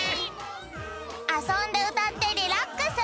あそんでうたってリラックス！